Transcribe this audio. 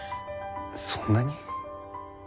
そんなに？